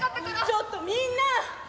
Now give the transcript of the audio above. ちょっとみんな！